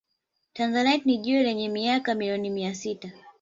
Tanzanite ni jiwe lenye miaka milioni mia sita